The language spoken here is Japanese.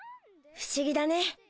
不思議だね。